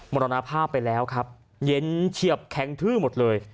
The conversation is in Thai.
มรณภาพไปแล้วครับเย็นเฉียบแข็งทื้อหมดเลย